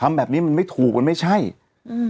ทำแบบนี้มันไม่ถูกมันไม่ใช่อืม